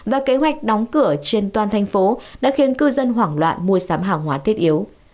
và kế hoạch đóng cửa trên toàn thành phố đã khiến cư dân hoảng loạn mua sắm hàng hóa thiết yếu